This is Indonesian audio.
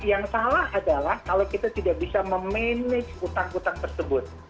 yang salah adalah kalau kita tidak bisa memanage utang utang tersebut